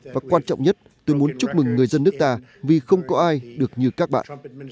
và quan trọng nhất tôi muốn chúc mừng người dân nước ta vì không có ai được như các bạn